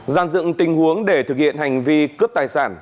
gian dựng tình huống để thực hiện hành vi cướp tài sản